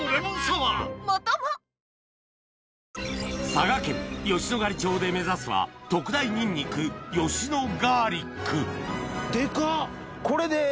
佐賀県吉野ヶ里町で目指すは特大ニンニク吉野ガーリックデカっ！